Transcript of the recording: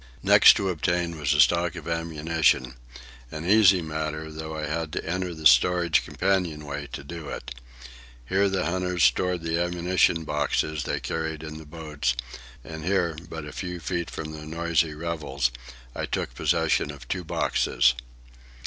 Next to obtain was a stock of ammunition,—an easy matter, though I had to enter the steerage companion way to do it. Here the hunters stored the ammunition boxes they carried in the boats, and here, but a few feet from their noisy revels, I took possession of two boxes.